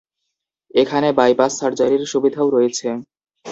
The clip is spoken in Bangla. এখানে বাই-পাস সার্জারির সুবিধাও রয়েছে।